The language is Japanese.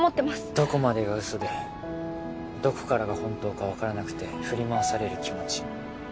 どこまでがウソでどこからが本当かわからなくて振り回される気持ち。